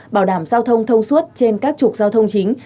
bảo đảm giao thông thông suốt trên các trục giao thông chính